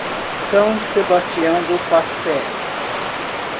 São Sebastião do Passé